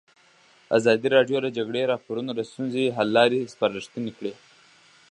ازادي راډیو د د جګړې راپورونه د ستونزو حل لارې سپارښتنې کړي.